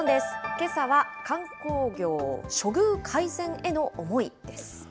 けさは、観光業、処遇改善への思いです。